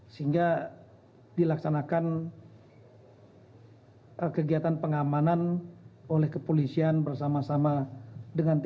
sehingga dilaksanakan kegiatan pengamanan oleh kepolisian bersama sama dengan tni